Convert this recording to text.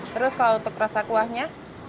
terus kalau untuk rasa kuahnya